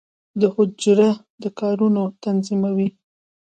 د حجره د کارونو تنظیموي.